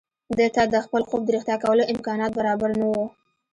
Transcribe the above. ده ته د خپل خوب د رښتيا کولو امکانات برابر نه وو.